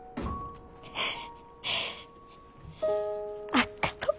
あっがとう